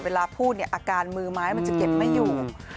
เวลาพูดเนี่ยอาการมือไม้มันจะเก็บไม่อยู่